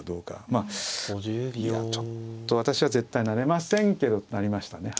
まあいやちょっと私は絶対成れませんけど成りましたね。